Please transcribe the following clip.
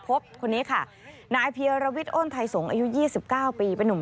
พบคนนี้ค่ะนายเพียราวิทโอ้นไทยสงฯอายุ๒๙ปีเป็นหนุ่ม๑๐๑